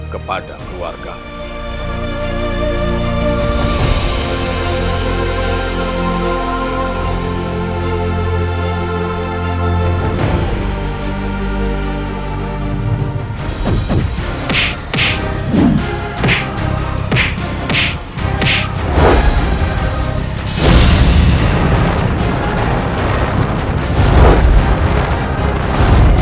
kepada keluarga anda